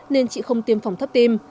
nên chị không tiêm phòng thấp tim